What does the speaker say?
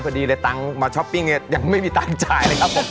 พอดีเลยตังค์มาช้อปปิ้งเนี่ยยังไม่มีตังค์จ่ายเลยครับผม